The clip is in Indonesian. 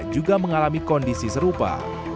juga mengalami kondisi serupa